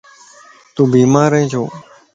تون بيمار ائين ڇو؟